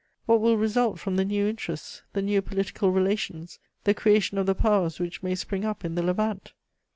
What will result from the new interests, the new political relations, the creation of the Powers which may spring up in the Levant?